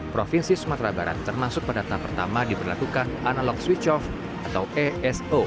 provinsi sumatera barat termasuk pada tahap pertama diberlakukan analog switch off atau eso